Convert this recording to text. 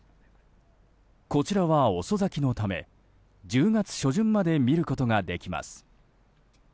こちらは遅咲きのため１０月初旬まで見ることができます。